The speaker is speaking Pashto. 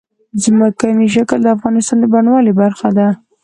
ځمکنی شکل د افغانستان د بڼوالۍ برخه ده.